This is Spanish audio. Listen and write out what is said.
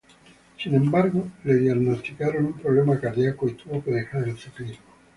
Sin embargo, le diagnosticaron un problema cardiaco y tuvo que dejar el ciclismo.